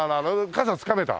傘つかめた？